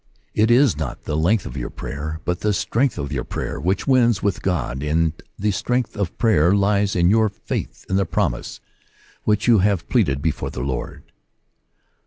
It is not the length of your prayer, but the strength of your prayer which wins with God ; and the strength of prayer lies in your faith in the promise which you have pleaded before the Lord.